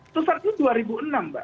itu saat itu dua ribu enam mbak